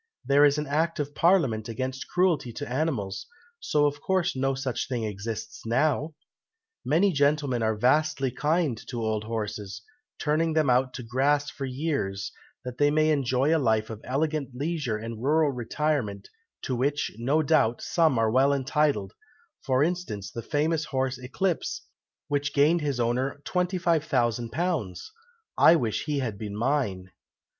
there is an Act of Parliament against cruelty to animals, so of course no such thing exists now. Many gentlemen are vastly kind to old horses, turning them out to grass for years, that they may enjoy a life of elegant leisure and rural retirement, to which, no doubt, some are well entitled; for instance, the famous horse Eclipse, which gained his owner £25,000! I wish he had been mine!"